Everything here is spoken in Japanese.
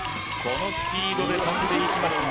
このスピードで跳んでいきます